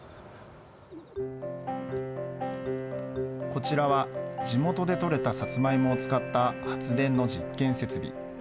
こちらは、地元で取れたサツマイモを使った発電の実験設備。